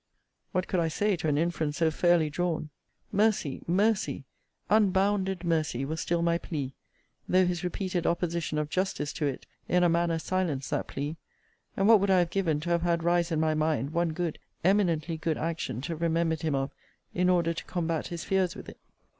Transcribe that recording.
What could I say to an inference so fairly drawn? Mercy, mercy, unbounded mercy, was still my plea, though his repeated opposition of justice to it, in a manner silenced that plea: and what would I have given to have had rise in my mind, one good, eminently good action to have remembered him of, in order to combat his fears with it?